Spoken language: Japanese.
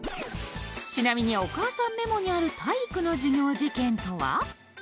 ちなみにお母さんＭＥＭＯにある体育の授業事件とは。